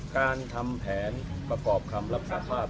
การทำแผนประกอบคำรับสาภาพ